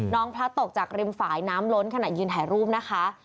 พระตกจากริมฝ่ายน้ำล้นขณะยืนถ่ายรูปนะคะ